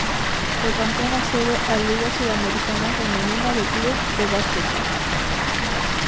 El campeón accede al Liga Sudamericana Femenina de Clubes de Básquetbol.